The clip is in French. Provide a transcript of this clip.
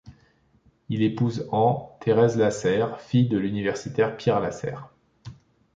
Il épouse en Thérèse Lasserre, fille de l'universitaire Pierre Lasserre.